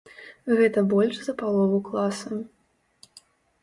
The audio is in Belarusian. Гэта больш за палову класа.